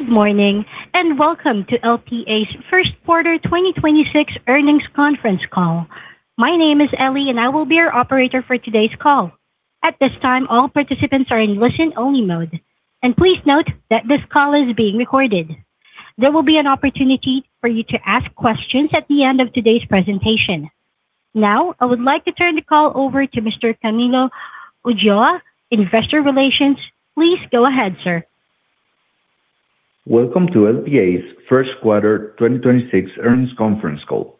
Good morning, welcome to LPA's first quarter 2026 earnings conference call. My name is Ellie, and I will be your operator for today's call. At this time, all participants are in listen only mode. Please note that this call is being recorded. There will be an opportunity for you to ask questions at the end of today's presentation. Now, I would like to turn the call over to Mr. Camilo Ulloa, Investor Relations. Please go ahead, sir. Welcome to LPA's first quarter 2026 earnings conference call.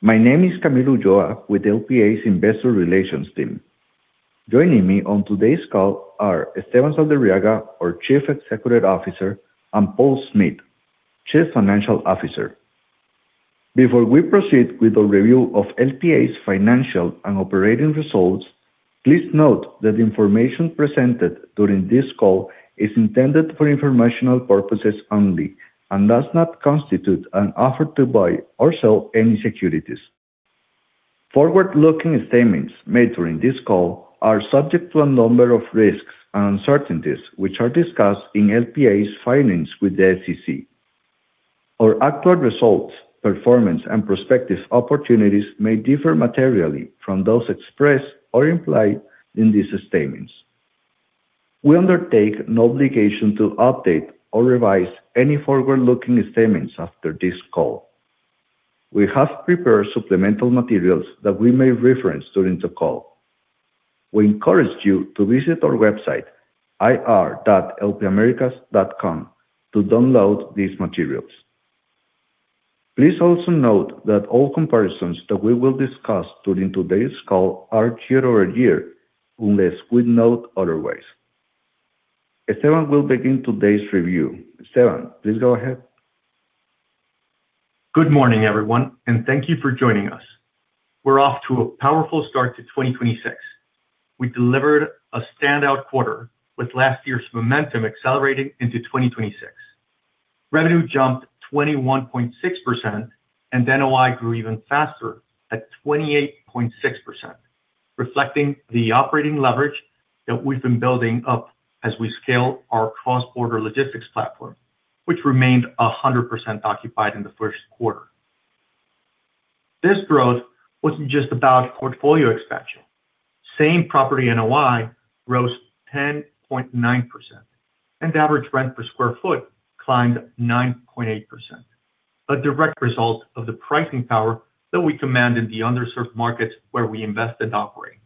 My name is Camilo Ulloa with LPA's Investor Relations team. Joining me on today's call are Esteban Saldarriaga, our Chief Executive Officer, and Paul Smith, Chief Financial Officer. Before we proceed with a review of LPA's financial and operating results, please note that information presented during this call is intended for informational purposes only, and does not constitute an offer to buy or sell any securities. Forward-looking statements made during this call are subject to a number of risks and uncertainties, which are discussed in LPA's filings with the SEC. Our actual results, performance, and prospective opportunities may differ materially from those expressed or implied in these statements. We undertake no obligation to update or revise any forward-looking statements after this call. We have prepared supplemental materials that we may reference during the call. We encourage you to visit our website, ir.lpaamericas.com, to download these materials. Please also note that all comparisons that we will discuss during today's call are year-over-year, unless we note otherwise. Esteban will begin today's review. Esteban, please go ahead. Good morning, everyone, and thank you for joining us. We're off to a powerful start to 2026. We delivered a standout quarter with last year's momentum accelerating into 2026. Revenue jumped 21.6%, and NOI grew even faster at 28.6%, reflecting the operating leverage that we've been building up as we scale our cross-border logistics platform, which remained 100% occupied in the first quarter. This growth wasn't just about portfolio expansion. Same property NOI rose 10.9%, and average rent per square foot climbed 9.8%, a direct result of the pricing power that we command in the underserved markets where we invest and operate.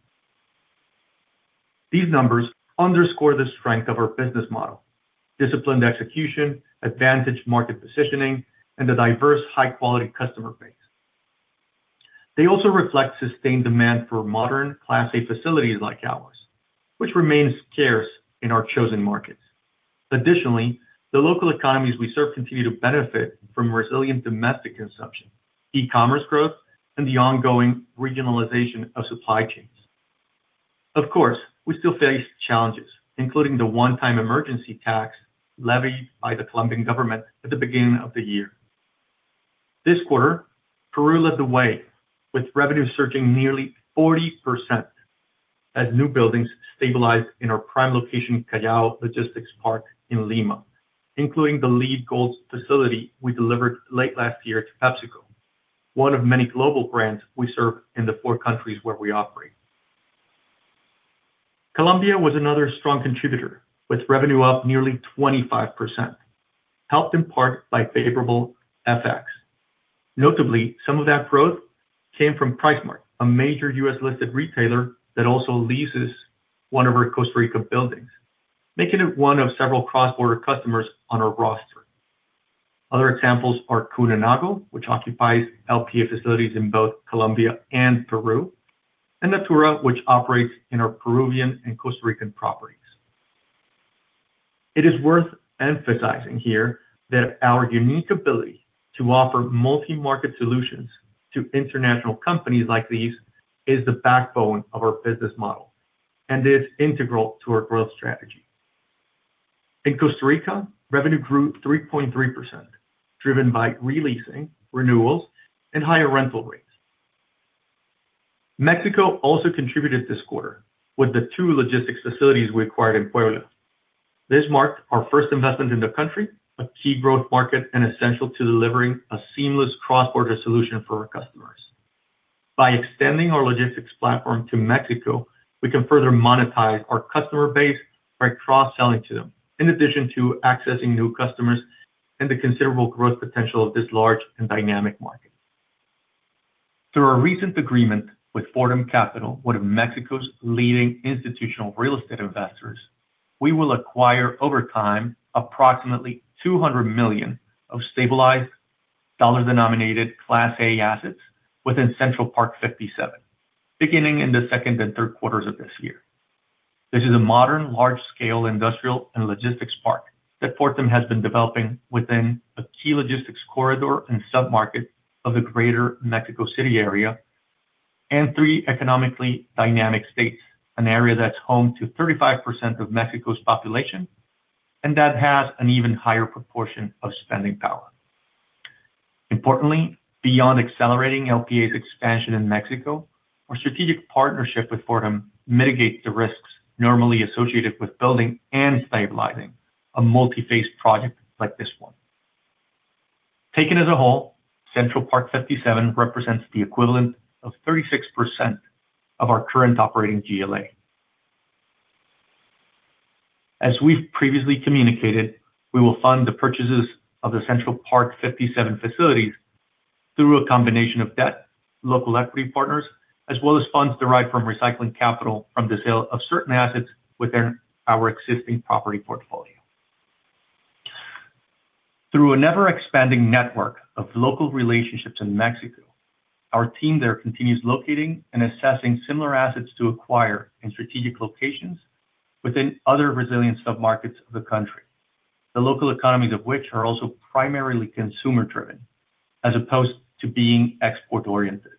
These numbers underscore the strength of our business model, disciplined execution, advantage market positioning, and a diverse high-quality customer base. They also reflect sustained demand for modern Class A facilities like ours, which remains scarce in our chosen markets. Additionally, the local economies we serve continue to benefit from resilient domestic consumption, e-commerce growth, and the ongoing regionalization of supply chains. Of course, we still face challenges, including the one-time emergency tax levied by the Colombian government at the beginning of the year. This quarter, Peru led the way with revenue surging nearly 40% as new buildings stabilized in our prime location, Callao Logistics Park in Lima, including the LEED Gold facility we delivered late last year to PepsiCo, one of many global brands we serve in the four countries where we operate. Colombia was another strong contributor, with revenue up nearly 25%, helped in part by favorable FX. Notably, some of that growth came from PriceSmart, a major U.S.-listed retailer that also leases one of our Costa Rica buildings, making it one of several cross-border customers on our roster. Other examples are Kuehne+Nagel which occupies LPA facilities in both Colombia and Peru, and Natura, which operates in our Peruvian and Costa Rican properties. It is worth emphasizing here that our unique ability to offer multi-market solutions to international companies like these is the backbone of our business model and is integral to our growth strategy. In Costa Rica, revenue grew 3.3%, driven by re-leasing, renewals, and higher rental rates. Mexico also contributed this quarter with the two logistics facilities we acquired in Puebla. This marked our first investment in the country, a key growth market, and essential to delivering a seamless cross-border solution for our customers. By extending our logistics platform to Mexico, we can further monetize our customer base by cross-selling to them, in addition to accessing new customers and the considerable growth potential of this large and dynamic market. Through our recent agreement with Fortem Capital, one of Mexico's leading institutional real estate investors, we will acquire over time approximately $200 million of stabilized dollar-denominated Class A assets within Central Park 57, beginning in the second and third quarters of this year. This is a modern, large-scale industrial and logistics park that Fortem has been developing within a key logistics corridor and submarket of the Greater Mexico City area and three economically dynamic states, an area that's home to 35% of Mexico's population and that has an even higher proportion of spending power. Importantly, beyond accelerating LPA's expansion in Mexico, our strategic partnership with Fortem mitigates the risks normally associated with building and stabilizing a multi-phase project like this one. Taken as a whole, Central Park 57 represents the equivalent of 36% of our current operating GLA. As we've previously communicated, we will fund the purchases of the Central Park 57 facilities through a combination of debt, local equity partners, as well as funds derived from recycling capital from the sale of certain assets within our existing property portfolio. Through an ever-expanding network of local relationships in Mexico, our team there continues locating and assessing similar assets to acquire in strategic locations within other resilient submarkets of the country. The local economies of which are also primarily consumer-driven, as opposed to being export-oriented.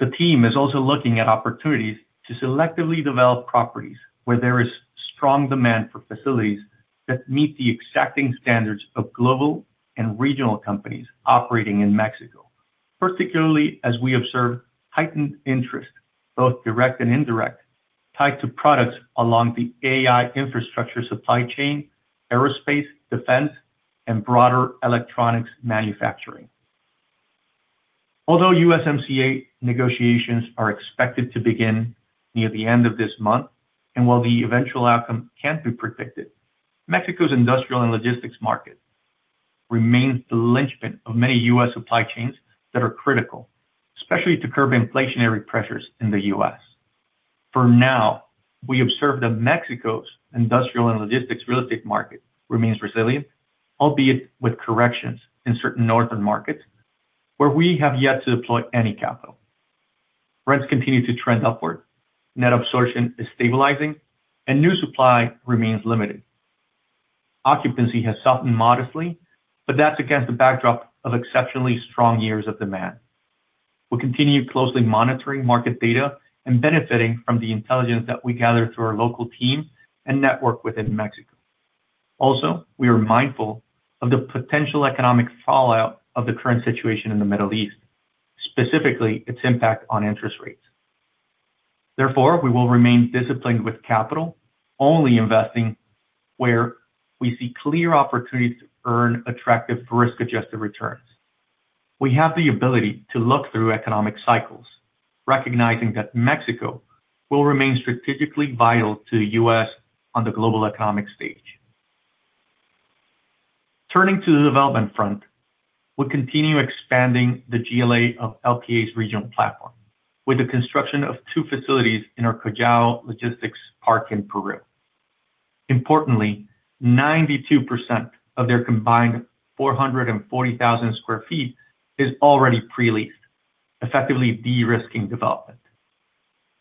The team is also looking at opportunities to selectively develop properties where there is strong demand for facilities that meet the exacting standards of global and regional companies operating in Mexico. Particularly as we observe heightened interest, both direct and indirect, tied to products along the AI infrastructure supply chain, aerospace, defense, and broader electronics manufacturing. USMCA negotiations are expected to begin near the end of this month, and while the eventual outcome can't be predicted, Mexico's industrial and logistics market remains the linchpin of many U.S. supply chains that are critical, especially to curb inflationary pressures in the U.S. For now, we observe that Mexico's industrial and logistics real estate market remains resilient, albeit with corrections in certain northern markets where we have yet to deploy any capital. Rents continue to trend upward, net absorption is stabilizing, and new supply remains limited. Occupancy has softened modestly, but that's against the backdrop of exceptionally strong years of demand. We'll continue closely monitoring market data and benefiting from the intelligence that we gather through our local team and network within Mexico. We are mindful of the potential economic fallout of the current situation in the Middle East, specifically its impact on interest rates. We will remain disciplined with capital, only investing where we see clear opportunities to earn attractive risk-adjusted returns. We have the ability to look through economic cycles, recognizing that Mexico will remain strategically vital to the U.S. on the global economic stage. Turning to the development front, we continue expanding the GLA of LPA's regional platform with the construction of two facilities in our Callao Logistics Park in Peru. Importantly, 92% of their combined 440,000 sq ft is already pre-leased, effectively de-risking development.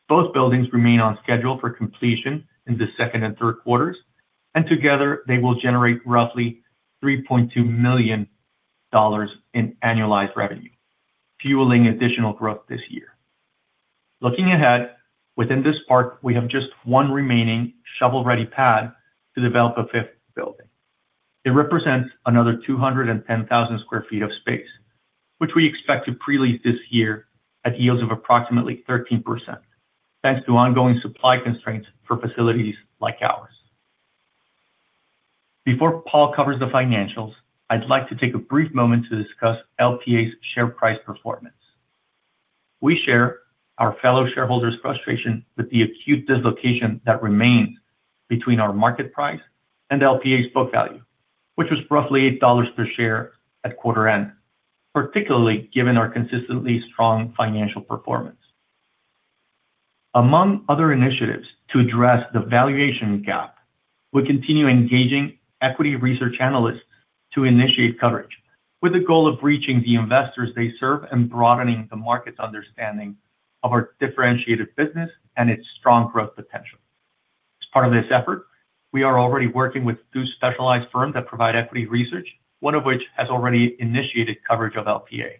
Both buildings remain on schedule for completion in the second and third quarters, and together they will generate roughly $3.2 million in annualized revenue, fueling additional growth this year. Looking ahead, within this park, we have just one remaining shovel-ready pad to develop a fifth building. It represents another 210,000 sq ft of space, which we expect to pre-lease this year at yields of approximately 13%, thanks to ongoing supply constraints for facilities like ours. Before Paul covers the financials, I'd like to take a brief moment to discuss LPA's share price performance. We share our fellow shareholders' frustration with the acute dislocation that remains between our market price and LPA's book value, which was roughly $8 per share at quarter end, particularly given our consistently strong financial performance. Among other initiatives to address the valuation gap, we continue engaging equity research analysts to initiate coverage, with the goal of reaching the investors they serve and broadening the market's understanding of our differentiated business and its strong growth potential. As part of this effort, we are already working with two specialized firms that provide equity research, one of which has already initiated coverage of LPA.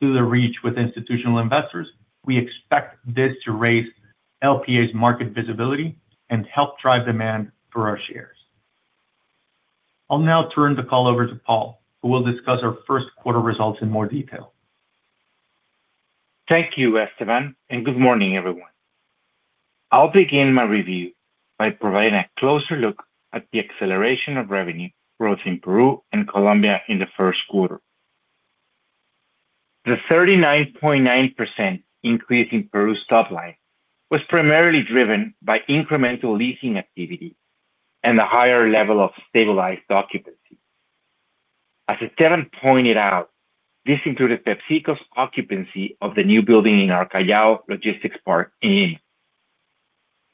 Through the reach with institutional investors, we expect this to raise LPA's market visibility and help drive demand for our shares. I'll now turn the call over to Paul, who will discuss our first quarter results in more detail. Thank you, Esteban. Good morning, everyone. I'll begin my review by providing a closer look at the acceleration of revenue growth in Peru and Colombia in the first quarter. The 39.9% increase in Peru's top line was primarily driven by incremental leasing activity and the higher level of stabilized occupancy. As Esteban pointed out, this included PepsiCo's occupancy of the new building in our Callao Logistics Park.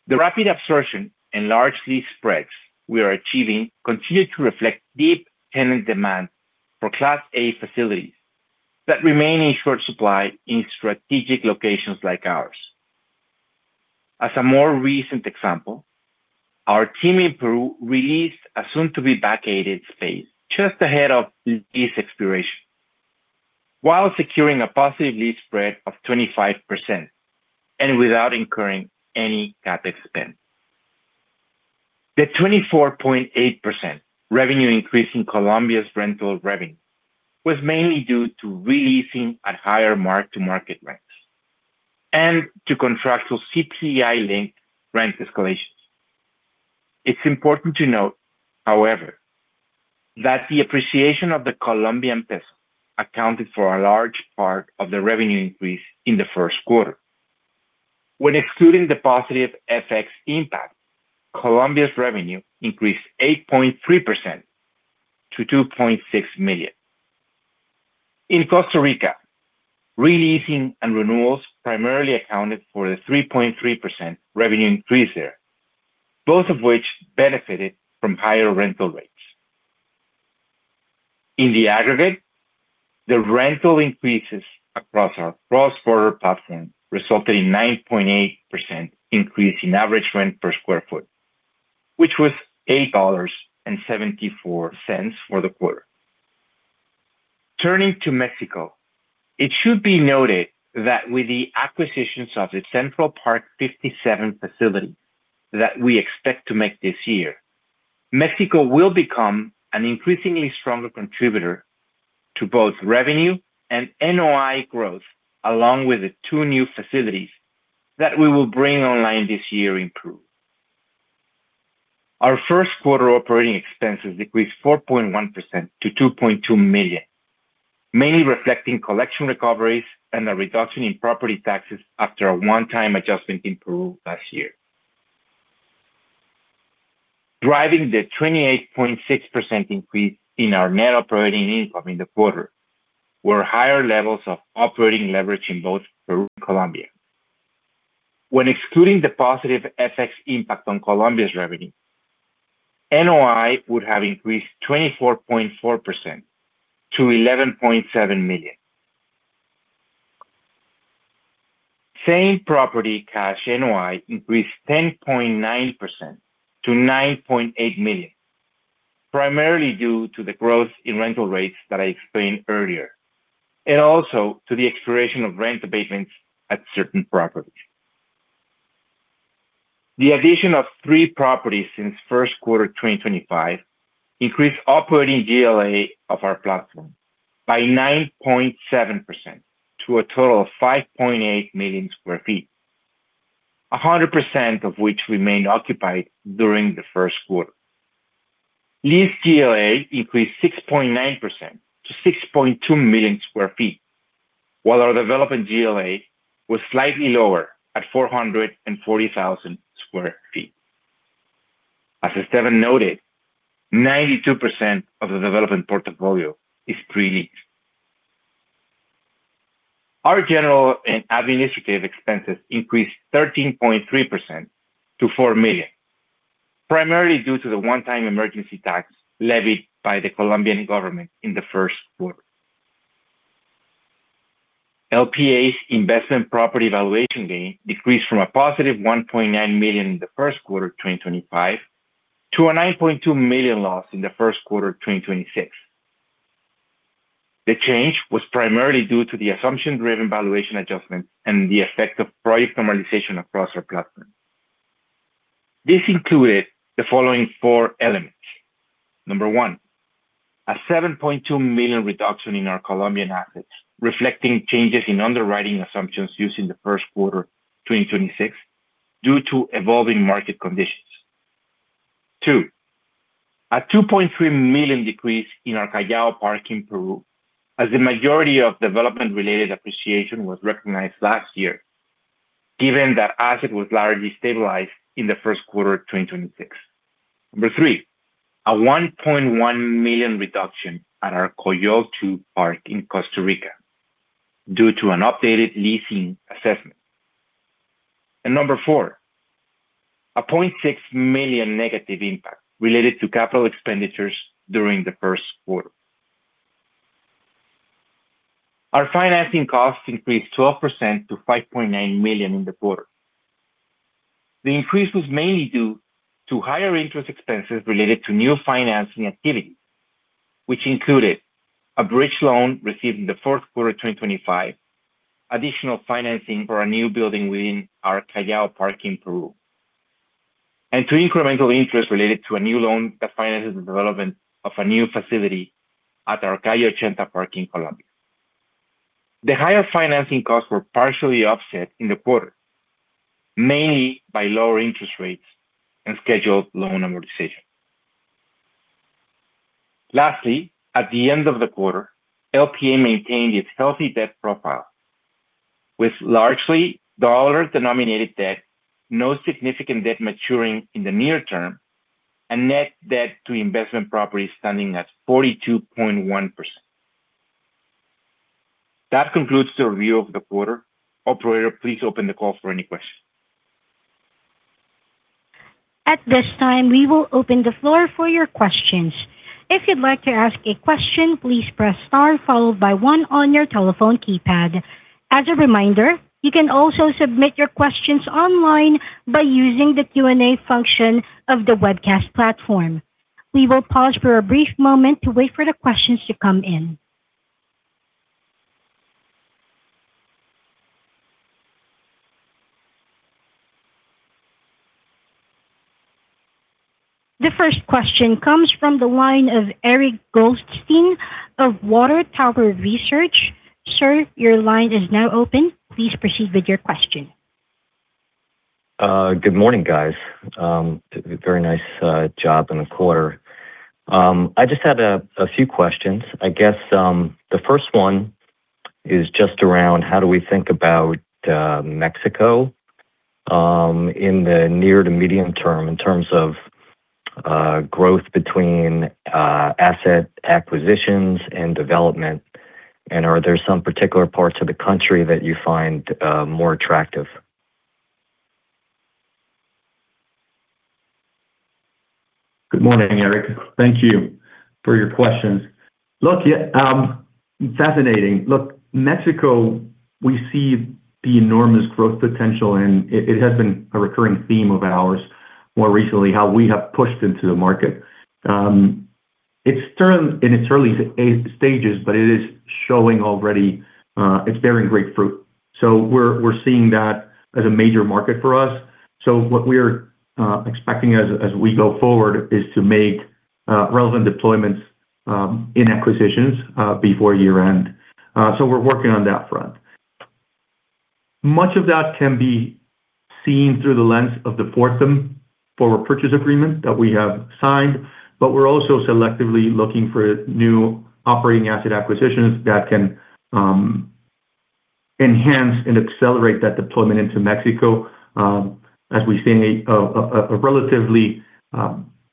The rapid absorption and large lease spreads we are achieving continue to reflect deep tenant demand for Class A facilities that remain in short supply in strategic locations like ours. As a more recent example, our team in Peru re-leased a soon-to-be-vacated space just ahead of lease expiration while securing a positive lease spread of 25% and without incurring any CapEx spend. The 24.8% revenue increase in Colombia's rental revenue was mainly due to re-leasing at higher mark-to-market rents and to contractual CPI-linked rent escalations. It's important to note, however, that the appreciation of the Colombian peso accounted for a large part of the revenue increase in the first quarter. When excluding the positive FX impact, Colombia's revenue increased 8.3% to $2.6 million. In Costa Rica, re-leasing and renewals primarily accounted for the 3.3% revenue increase there, both of which benefited from higher rental rates. In the aggregate, the rental increases across our cross-border platform resulted in 9.8% increase in average rent per square foot, which was $8.74 for the quarter. Turning to Mexico, it should be noted that with the acquisitions of the Central Park 57 facility that we expect to make this year, Mexico will become an increasingly stronger contributor to both revenue and NOI growth, along with the two new facilities that we will bring online this year in Peru. Our first quarter operating expenses decreased 4.1% to $2.2 million, mainly reflecting collection recoveries and a reduction in property taxes after a one-time adjustment in Peru last year. Driving the 28.6% increase in our net operating income in the quarter were higher levels of operating leverage in both Peru and Colombia. When excluding the positive FX impact on Colombia's revenue, NOI would have increased 24.4% to $11.7 million. Same-property cash NOI increased 10.9% to $9.8 million, primarily due to the growth in rental rates that I explained earlier, and also to the expiration of rent abatements at certain properties. The addition of three properties since first quarter 2025 increased operating GLA of our platform by 9.7% to a total of 5.8 million sq ft, 100% of which remained occupied during the first quarter. Leased GLA increased 6.9% to 6.2 million sq ft, while our development GLA was slightly lower at 440,000 sq ft. As Esteban noted, 92% of the development portfolio is pre-leased. Our general and administrative expenses increased 13.3% to $4 million, primarily due to the one-time emergency tax levied by the Colombian government in the first quarter. LPA's investment property valuation gain decreased from a positive $1.9 million in the first quarter of 2025 to a $9.2 million loss in the first quarter of 2026. The change was primarily due to the assumption-driven valuation adjustment and the effect of project normalization across our platform. This included the following four elements. Number one, a $7.2 million reduction in our Colombian assets, reflecting changes in underwriting assumptions used in the first quarter 2026 due to evolving market conditions. Two, a $2.3 million decrease in our Callao park in Peru as the majority of development-related appreciation was recognized last year, given that asset was largely stabilized in the first quarter of 2026. Three, a $1.1 million reduction at our Coyol II park in Costa Rica due to an updated leasing assessment. Four, a $0.6 million negative impact related to capital expenditures during the first quarter. Our financing costs increased 12% to $5.9 million in the quarter. The increase was mainly due to higher interest expenses related to new financing activities, which included a bridge loan received in the fourth quarter of 2025, additional financing for a new building within our Callao park in Peru, and to incremental interest related to a new loan that finances the development of a new facility at our Cayena park in Colombia. The higher financing costs were partially offset in the quarter, mainly by lower interest rates and scheduled loan amortization. Lastly, at the end of the quarter, LPA maintained its healthy debt profile with largely dollar-denominated debt, no significant debt maturing in the near term, and net debt to investment properties standing at 42.1%. That concludes the review of the quarter. Operator, please open the call for any questions. At this time, we will open the floor for your questions. If you'd like to ask a question, please press star followed by one on your telephone keypad. As a reminder, you can also submit your questions online by using the Q&A function of the webcast platform. We will pause for a brief moment to wait for the questions to come in. The first question comes from the line of Eric Goldstein of Water Tower Research. Sir, your line is now open. Please proceed with your question. Good morning, guys. Very nice job in the quarter. I just had a few questions. I guess, the first one is just around how do we think about Mexico in the near to medium term in terms of growth between asset acquisitions and development, and are there some particular parts of the country that you find more attractive? Good morning, Eric. Thank you for your questions. Look, yeah, fascinating. Look, Mexico, we see the enormous growth potential, and it has been a recurring theme of ours more recently how we have pushed into the market. It's still in its early stages, but it is showing already, it's bearing great fruit. We're seeing that as a major market for us. What we're expecting as we go forward is to make relevant deployments in acquisitions before year-end. We're working on that front. Much of that can be seen through the lens of the Fortem for purchase agreement that we have signed, but we're also selectively looking for new operating asset acquisitions that can enhance and accelerate that deployment into Mexico, as we've seen a relatively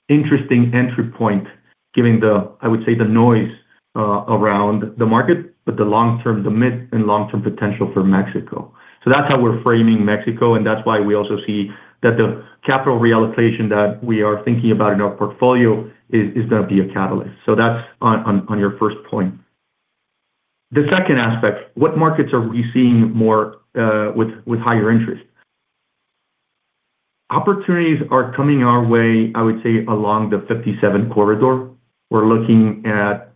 interesting entry point, given the, I would say, the noise around the market, but the long-term, the mid and long-term potential for Mexico. That's how we're framing Mexico, and that's why we also see that the capital reallocation that we are thinking about in our portfolio is gonna be a catalyst. That's on your first point. The second aspect, what markets are we seeing more with higher interest? Opportunities are coming our way, I would say, along the 57 corridor. We're looking at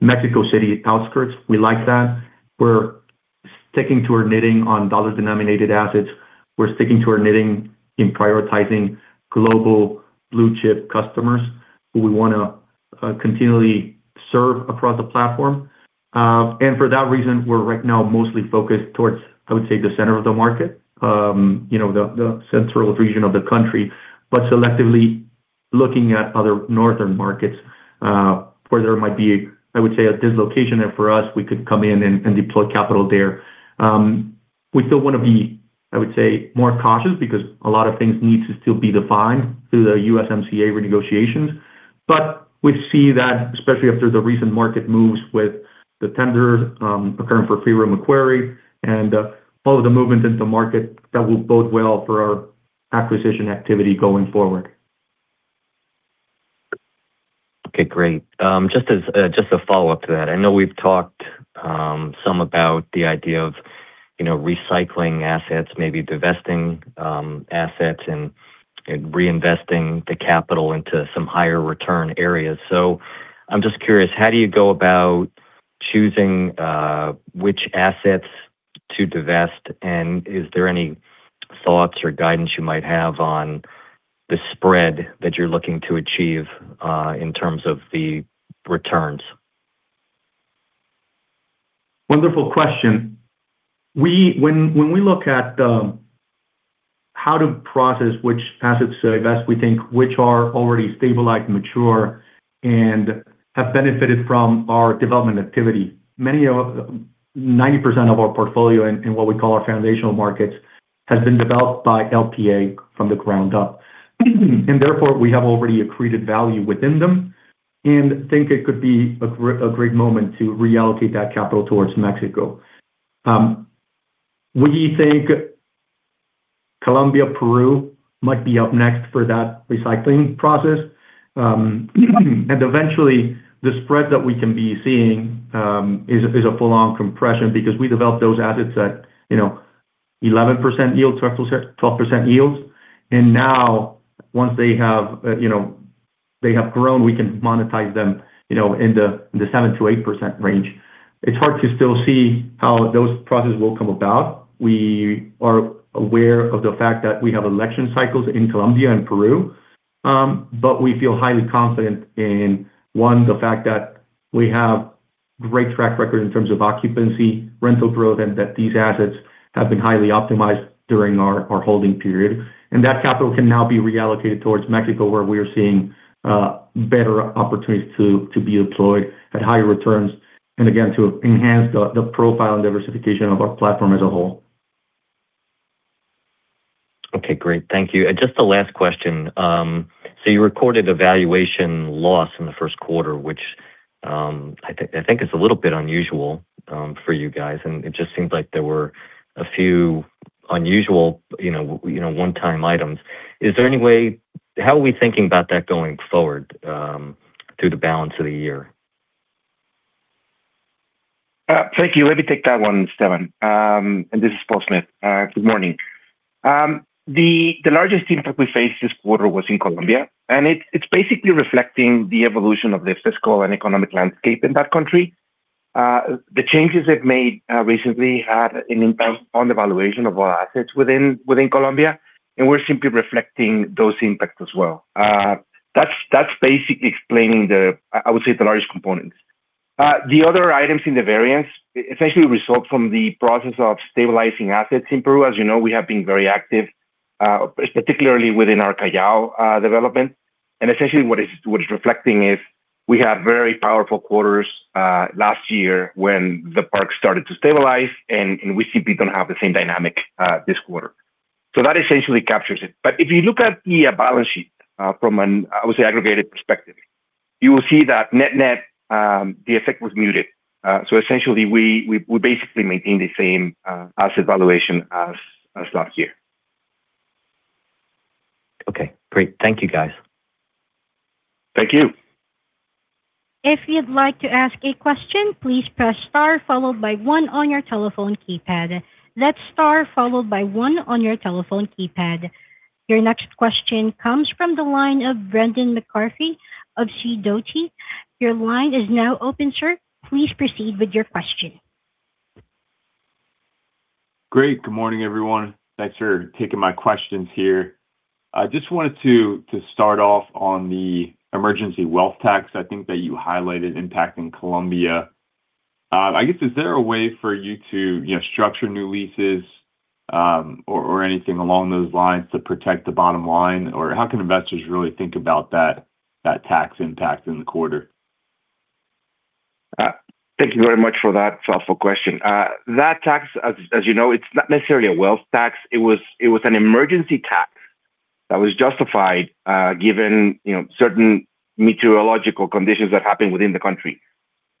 Mexico City outskirts. We like that. We're sticking to our knitting on dollar-denominated assets. We're sticking to our knitting in prioritizing global blue chip customers who we wanna continually serve across the platform. For that reason, we're right now mostly focused towards, I would say, the center of the market, you know, the central region of the country, but selectively looking at other northern markets where there might be, I would say, a dislocation there for us, we could come in and deploy capital there. We still wanna be, I would say, more cautious because a lot of things need to still be defined through the USMCA renegotiations. We see that, especially after the recent market moves with the tender occurring for free room inquiry and all of the movement into market that will bode well for our acquisition activity going forward. Okay, great. Just as, just a follow-up to that. I know we've talked, some about the idea of, you know, recycling assets, maybe divesting, assets and reinvesting the capital into some higher return areas. I'm just curious, how do you go about choosing, which assets to divest? Is there any thoughts or guidance you might have on the spread that you're looking to achieve, in terms of the returns? Wonderful question. When we look at how to process which assets to divest, we think which are already stabilized, mature, and have benefited from our development activity. 90% of our portfolio in what we call our foundational markets has been developed by LPA from the ground up. Therefore, we have already accreted value within them and think it could be a great moment to reallocate that capital towards Mexico. We think Colombia, Peru might be up next for that recycling process. Eventually, the spread that we can be seeing is a full-on compression because we developed those assets at, you know, 11% yield, 12% yields. Now, once they have, you know, they have grown, we can monetize them, you know, in the 7%-8% range. It's hard to still see how those processes will come about. We are aware of the fact that we have election cycles in Colombia and Peru, but we feel highly confident in, one, the fact that we have great track record in terms of occupancy, rental growth, and that these assets have been highly optimized during our holding period. That capital can now be reallocated towards Mexico, where we are seeing better opportunities to be deployed at higher returns, and again, to enhance the profile and diversification of our platform as a whole. Okay, great. Thank you. Just a last question. You recorded a valuation loss in the first quarter, which I think is a little bit unusual for you guys, and it just seems like there were a few unusual, you know, one-time items. How are we thinking about that going forward through the balance of the year? Thank you. Let me take that one, Esteban. This is Paul Smith. Good morning. The largest impact we faced this quarter was in Colombia, it's basically reflecting the evolution of the fiscal and economic landscape in that country. The changes they've made recently had an impact on the valuation of our assets within Colombia, and we're simply reflecting those impacts as well. That's basically explaining the, I would say, the largest component. The other items in the variance essentially result from the process of stabilizing assets in Peru. As you know, we have been very active, particularly within our Callao development. Essentially what it's reflecting is we had very powerful quarters last year when the park started to stabilize, and we simply don't have the same dynamic this quarter. That essentially captures it. If you look at the balance sheet, from an, I would say, aggregated perspective, you will see that net-net, the effect was muted. Essentially we basically maintain the same asset valuation as last year. Okay, great. Thank you, guys. Thank you. If you'd like to ask a question, please press star followed by one on your telephone keypad. That's Star followed by one on your telephone keypad. Your next question comes from the line of Brendan McCarthy of Sidoti. Your line is now open, sir. Please proceed with your question. Great. Good morning, everyone. Thanks for taking my questions here. I just wanted to start off on the emergency wealth tax I think that you highlighted impacting Colombia. I guess, is there a way for you to, you know, structure new leases, or anything along those lines to protect the bottom line? How can investors really think about that tax impact in the quarter? Thank you very much for that for question. That tax, as you know, it's not necessarily a wealth tax. It was an emergency tax that was justified, given, you know, certain meteorological conditions that happened within the country.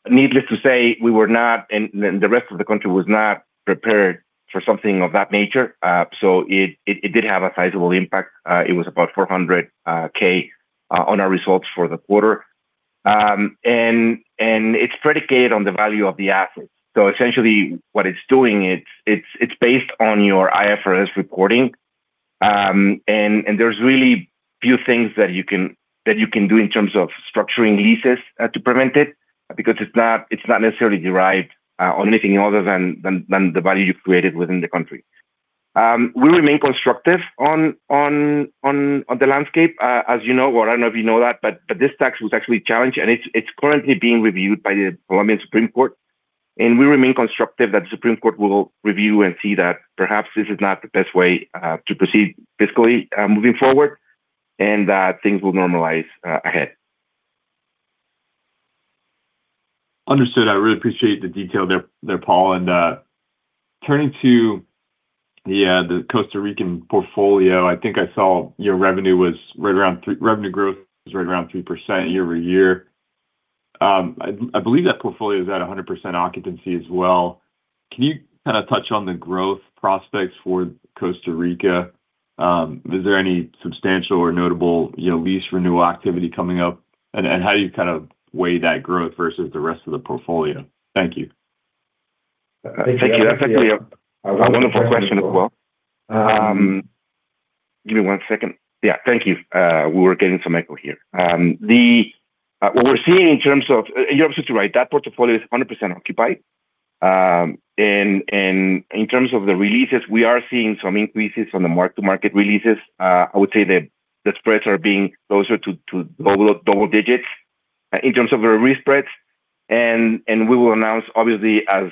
Needless to say, we were not, and then the rest of the country was not prepared for something of that nature. It did have a sizable impact. It was about $400,000 on our results for the quarter. It's predicated on the value of the assets. Essentially, what it's doing is it's based on your IFRS reporting. There's really few things that you can do in terms of structuring leases to prevent it because it's not necessarily derived on anything other than the value you've created within the country. We remain constructive on the landscape. As you know, well, I don't know if you know that, but this tax was actually challenged, and it's currently being reviewed by the Colombian Supreme Court. We remain constructive that the Supreme Court will review and see that perhaps this is not the best way to proceed fiscally moving forward, and that things will normalize ahead. Understood. I really appreciate the detail there, Paul. Turning to the Costa Rican portfolio, I think I saw your revenue growth was right around 3% year-over-year. I believe that portfolio is at 100% occupancy as well. Can you kinda touch on the growth prospects for Costa Rica? Is there any substantial or notable, you know, lease renewal activity coming up? How do you kind of weigh that growth versus the rest of the portfolio? Thank you. Thank you. That's actually a wonderful question as well. Give me one second. Yeah. Thank you. We were getting some echo here. You're absolutely right. That portfolio is 100% occupied. In terms of the releases, we are seeing some increases on the mark-to-market releases. I would say that the spreads are being closer to double digits in terms of the re-spreads. We will announce obviously as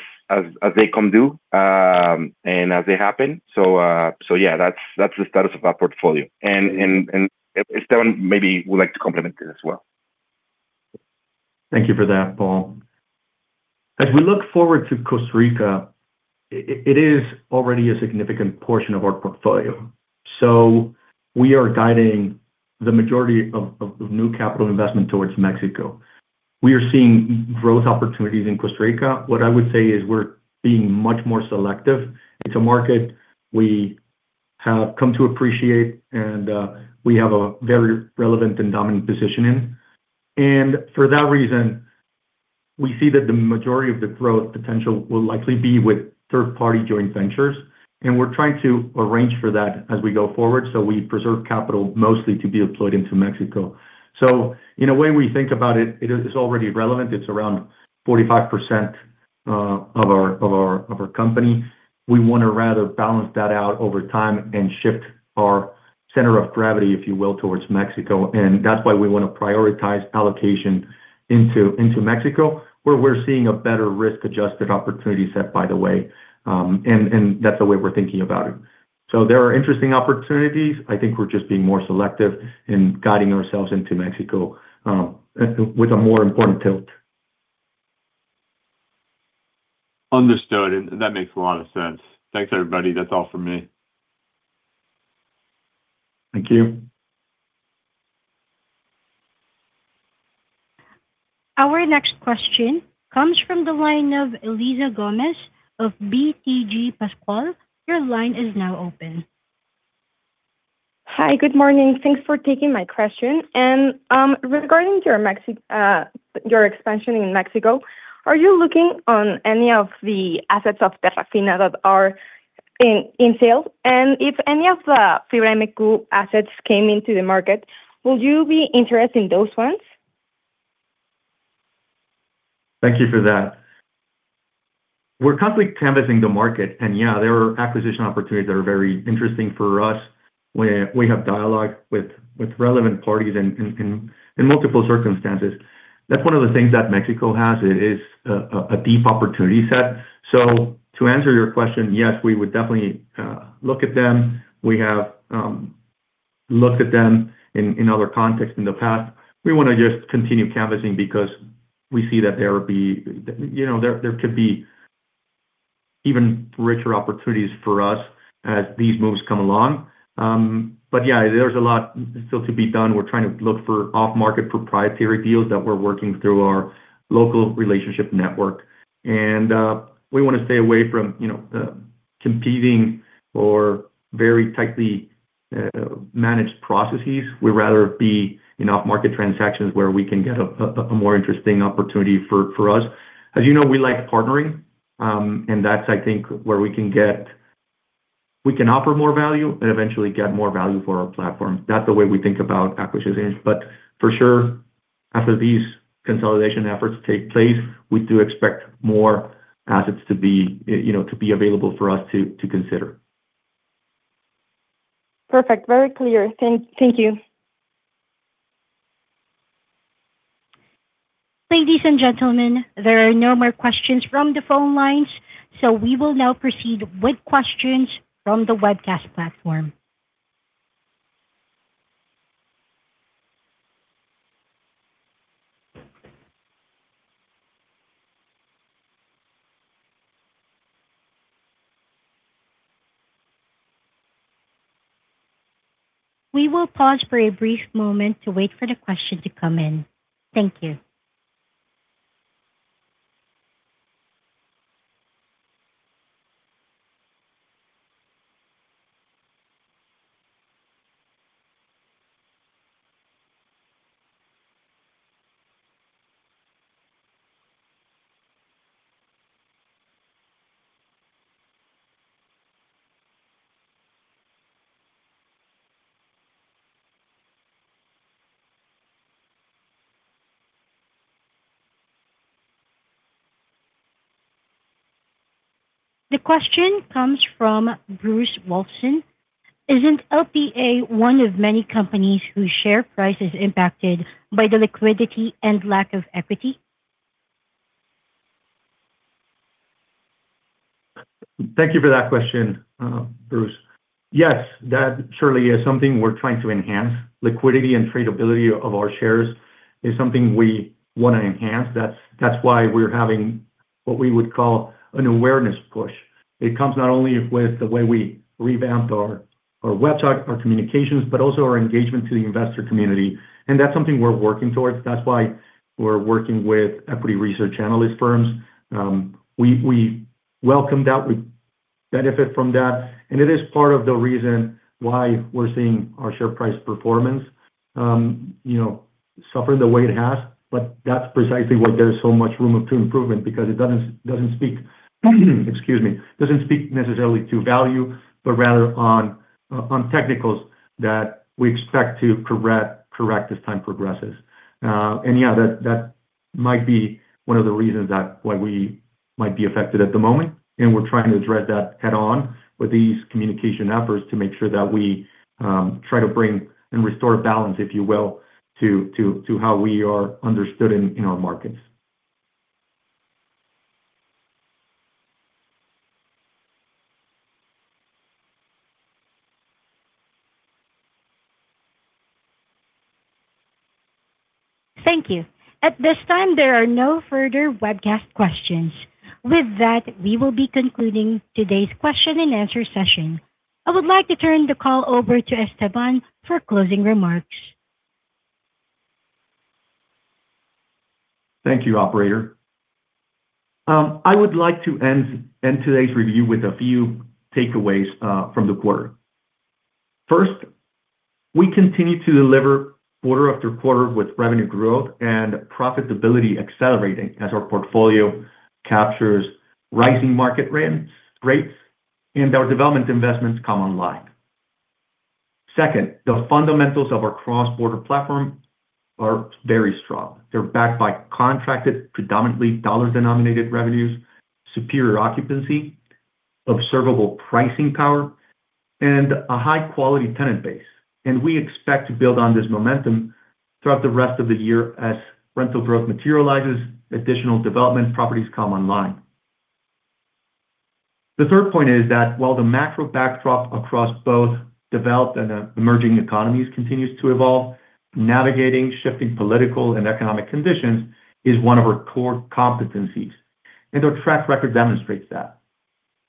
they come due and as they happen. Yeah, that's the status of that portfolio. Esteban maybe would like to complement this as well. Thank you for that, Paul. As we look forward to Costa Rica, it is already a significant portion of our portfolio. We are guiding the majority of new capital investment towards Mexico. We are seeing growth opportunities in Costa Rica. What I would say is we're being much more selective. It's a market we have come to appreciate, and we have a very relevant and dominant position in. For that reason, we see that the majority of the growth potential will likely be with third-party joint ventures, and we're trying to arrange for that as we go forward, so we preserve capital mostly to be deployed into Mexico. In a way we think about it is already relevant. It's around 45% of our company. We wanna rather balance that out over time and shift our center of gravity, if you will, towards Mexico. That's why we wanna prioritize allocation into Mexico, where we're seeing a better risk-adjusted opportunity set, by the way. That's the way we're thinking about it. There are interesting opportunities. I think we're just being more selective in guiding ourselves into Mexico with a more important tilt. Understood. That makes a lot of sense. Thanks, everybody. That's all for me. Thank you. Our next question comes from the line of Elisa Gómez of BTG Pactual. Your line is now open. Hi, good morning. Thanks for taking my question. Regarding your expansion in Mexico, are you looking on any of the assets of Terrafina that are in sale? If any of the Ferremec Group assets came into the market, would you be interested in those ones? Thank you for that. We're constantly canvassing the market. Yeah, there are acquisition opportunities that are very interesting for us. We have dialogue with relevant parties in multiple circumstances. That's one of the things that Mexico has is a deep opportunity set. To answer your question, yes, we would definitely look at them. We have looked at them in other contexts in the past. We want to just continue canvassing because we see that you know, there could be even richer opportunities for us as these moves come along. Yeah, there's a lot still to be done. We're trying to look for off market proprietary deals that we're working through our local relationship network. We want to stay away from, you know, competing or very tightly managed processes. We'd rather be in off market transactions where we can get a more interesting opportunity for us. As you know, we like partnering, that's, I think, where we can offer more value and eventually get more value for our platform. That's the way we think about acquisitions. For sure, after these consolidation efforts take place, we do expect more assets to be, you know, to be available for us to consider. Perfect. Very clear. Thank you. Ladies and gentlemen, there are no more questions from the phone lines. We will now proceed with questions from the webcast platform. We will pause for a brief moment to wait for the question to come in. Thank you. The question comes from Bruce Wilson. Isn't LPA one of many companies whose share price is impacted by the liquidity and lack of equity? Thank you for that question, Bruce. Yes, that surely is something we're trying to enhance. Liquidity and tradability of our shares is something we wanna enhance. That's why we're having what we would call an awareness push. It comes not only with the way we revamped our website, our communications, but also our engagement to the investor community. That's something we're working towards. That's why we're working with equity research analyst firms. We welcome that. We benefit from that. It is part of the reason why we're seeing our share price performance, you know, suffer the way it has. That's precisely why there's so much room to improvement because it doesn't speak, excuse me, doesn't speak necessarily to value, but rather on technicals that we expect to correct as time progresses. Yeah, that might be one of the reasons that why we might be affected at the moment, and we're trying to address that head on with these communication efforts to make sure that we try to bring and restore balance, if you will, to how we are understood in our markets. Thank you. At this time, there are no further webcast questions. With that, we will be concluding today's question-and-answer session. I would like to turn the call over to Esteban for closing remarks. Thank you, operator. I would like to end today's review with a few takeaways from the quarter. First, we continue to deliver quarter after quarter with revenue growth and profitability accelerating as our portfolio captures rising market rates and our development investments come online. Second, the fundamentals of our cross-border platform are very strong. They're backed by contracted predominantly dollar-denominated revenues, superior occupancy, observable pricing power, and a high-quality tenant base. We expect to build on this momentum throughout the rest of the year as rental growth materializes, additional development properties come online. The third point is that while the macro backdrop across both developed and emerging economies continues to evolve, navigating shifting political and economic conditions is one of our core competencies, and our track record demonstrates that.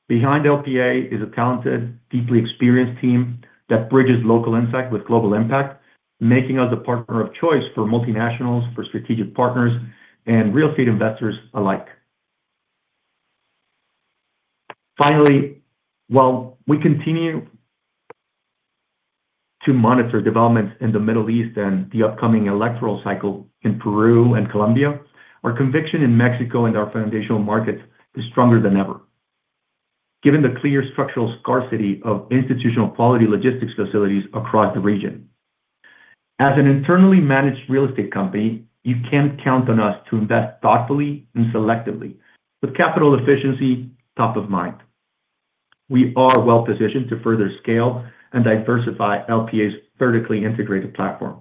Behind LPA is a talented, deeply experienced team that bridges local insight with global impact, making us a partner of choice for multinationals, for strategic partners, and real estate investors alike. Finally, while we continue to monitor developments in the Middle East and the upcoming electoral cycle in Peru and Colombia, our conviction in Mexico and our foundational markets is stronger than ever, given the clear structural scarcity of institutional quality logistics facilities across the region. As an internally managed real estate company, you can count on us to invest thoughtfully and selectively with capital efficiency top of mind. We are well-positioned to further scale and diversify LPA's vertically integrated platform,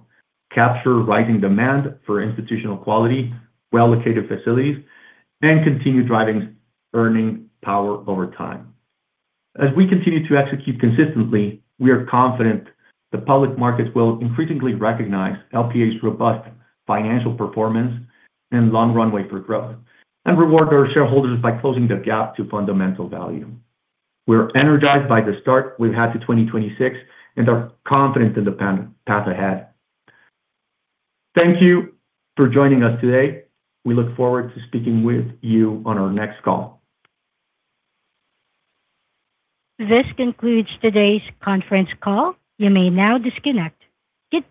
capture rising demand for institutional quality, well-located facilities, and continue driving earning power over time. As we continue to execute consistently, we are confident the public markets will increasingly recognize LPA's robust financial performance and long runway for growth, and reward our shareholders by closing the gap to fundamental value. We're energized by the start we've had to 2026 and are confident in the path ahead. Thank you for joining us today. We look forward to speaking with you on our next call. This concludes today's conference call. You may now disconnect. Goodbye.